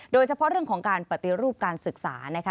โดยเฉพาะเรื่องของการปฏิรูปการศึกษานะคะ